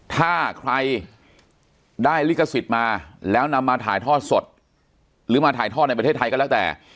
ถ้าใครได้ลิขสิทธิ์มาแล้วนำมาถ่ายทอดสดหรือมาถ่ายทอดในประเทศไทยก็แล้วแต่